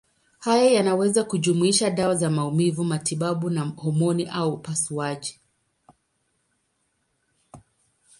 Haya yanaweza kujumuisha dawa za maumivu, matibabu ya homoni au upasuaji.